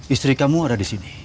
istri kamu ada disini